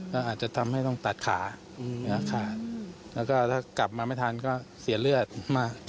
ก็อาจจะทำให้ต้องตัดขาเนื้อขาดแล้วก็ถ้ากลับมาไม่ทันก็เสียเลือดมาก